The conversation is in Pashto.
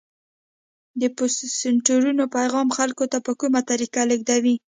د پوسټرونو پیام خلکو ته په کومه طریقه لیږدوي؟